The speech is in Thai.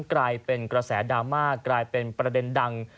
กลายเป็นกระแสดราม่ากลายเป็นประเด็นดัง